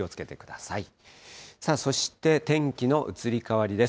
さあ、そして天気の移り変わりです。